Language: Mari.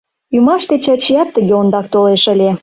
Ӱмаште Чачият тыге ондак толеш ыле.